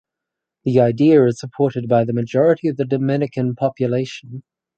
The idea is supported by the majority of the Dominican population.